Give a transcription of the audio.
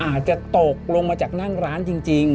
อาจจะตกลงมาจากนั่งร้านจริง